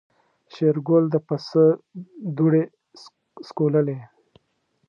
شېرګل د پسه دوړې سکوللې.